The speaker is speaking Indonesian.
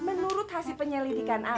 menurut hasil penyelidikan aku